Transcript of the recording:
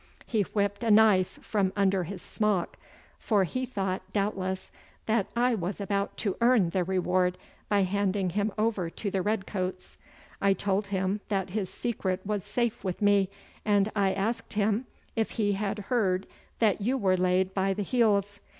He whipped a knife from under his smock, for he thought, doubtless, that I was about to earn the reward by handing him over to the red coats. I told him that his secret was safe with me, and I asked him if he had heard that you were laid by the heels.